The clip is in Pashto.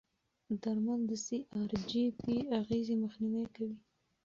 درمل د سی ار جي پي اغېزې مخنیوي کوي.